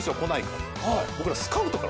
僕ら。